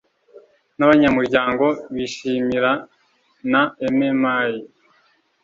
n abanyamuryango bishingirwa na MMI